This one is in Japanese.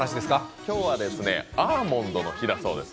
今日はアーモンドの日だそうです。